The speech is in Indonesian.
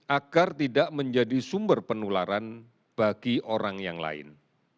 agar tidak menjadi sumber penularan bagi orang yang lain